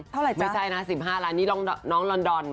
เท่าไหร่จ้ไม่ใช่นะ๑๕ล้านนี่น้องลอนดอน